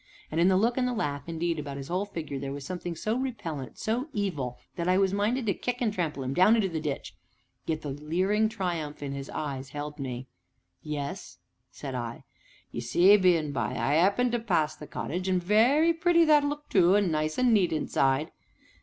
And, in the look and the laugh, indeed about his whole figure, there was something so repellent, so evil, that I was minded to kick and trample him down into the ditch, yet the leering triumph in his eyes held me. "Yes?" said I. "Ye see, bein' by, I 'appened to pass the cottage and very pretty that looked too, and nice and neat inside!"